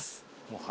もう。